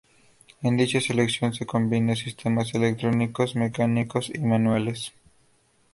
En dicha selección se combinan sistemas electrónicos, mecánicos y manuales.